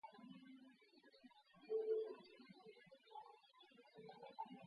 James, a la que la reina María, la abuela del señor Lascelles, asistió.